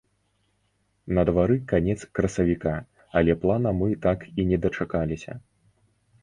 На двары канец красавіка, але плана мы так і не дачакаліся.